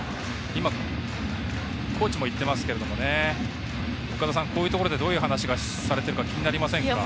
今コーチも行っていますけれどもどういう話をされているか気になりませんか？